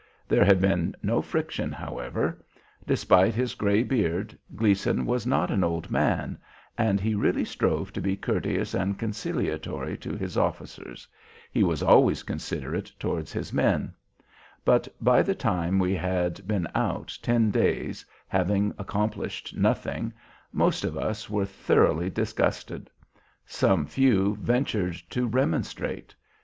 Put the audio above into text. There had been no friction, however. Despite his gray beard, Gleason was not an old man, and he really strove to be courteous and conciliatory to his officers, he was always considerate towards his men; but by the time we had been out ten days, having accomplished nothing, most of us were thoroughly disgusted. Some few ventured to remonstrate.